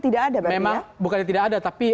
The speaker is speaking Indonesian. tidak ada memang bukan tidak ada tapi